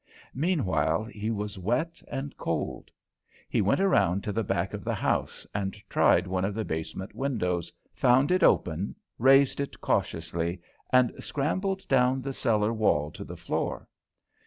Meanwhile, he was wet and cold. He went around to the back of the house and tried one of the basement windows, found it open, raised it cautiously, and scrambled down the cellar wall to the floor.